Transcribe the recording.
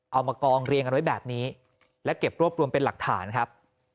เอามากองเรียงกันไว้แบบนี้และเก็บรวบรวมเป็นหลักฐานครับ